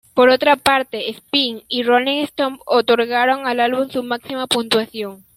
Por otra parte, "Spin" y "Rolling Stone" otorgaron al álbum su máxima puntuación.